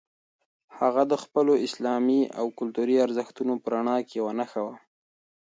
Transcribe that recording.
هغه د خپلو اسلامي او کلتوري ارزښتونو په رڼا کې یوه نښه وه.